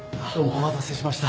お待たせしました。